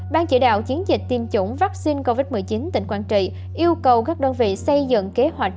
ban chỉ đạo chiến dịch tiêm chủng vaccine covid một mươi chín tỉnh quảng trị yêu cầu các đơn vị xây dựng kế hoạch